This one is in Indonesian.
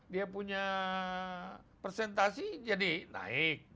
dia punya presentasi jadi naik